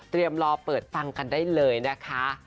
รอเปิดฟังกันได้เลยนะคะ